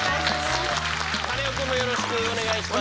カネオくんもよろしくお願いします。